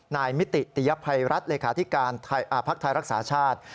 นายมิติติยภัยรัฐเลขาธิการพักธรรคสาชาติ